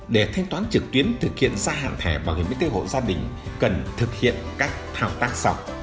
để thanh toán trực tuyến thực hiện gia hạn thẻ bảo hiểm y tế hộ gia đình cần thực hiện các thao tác sau